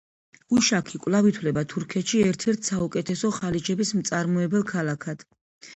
უშაქი კვლავ ითვლება თურქეთში ერთ-ერთ საუკეთესო ხალიჩების მწარმოებელ ქალაქად.